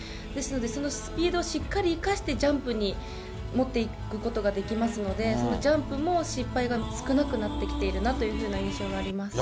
ですので、そのスピードをしっかり生かしてジャンプに持っていくことができますので、そのジャンプも失敗が少なくなってきているなという印象がありま